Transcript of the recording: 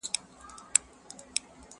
چي یې بیا دی را ایستلی د ګور مړی،